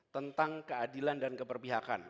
tentang keadilan dan kemerpihakan